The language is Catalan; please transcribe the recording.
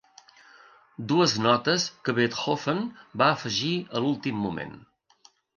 Dues notes que Beethoven va afegir a l'últim moment.